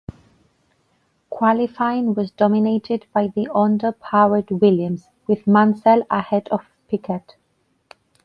Qualifying was dominated by the Honda powered Williams, with Mansell ahead of Piquet.